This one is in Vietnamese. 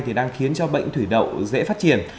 thì đang khiến cho bệnh thủy đậu dễ phát triển